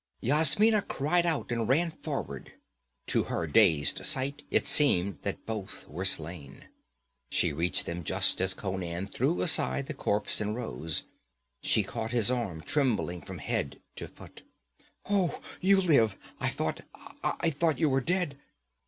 Yasmina cried out and ran forward; to her dazed sight it seemed that both were slain. She reached them just as Conan threw aside the corpse and rose. She caught his arm, trembling from head to foot. 'Oh, you live! I thought I thought you were dead!'